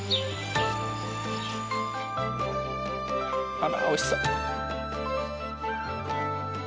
あら美味しそう。